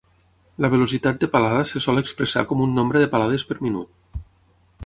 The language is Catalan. La velocitat de palada se sol expressar com un nombre de palades per minut.